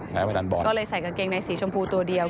พนันบอลก็เลยใส่กางเกงในสีชมพูตัวเดียว